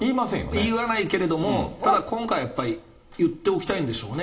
言わないけども、ただ今回やっぱり、言っておきたいんでしょうね。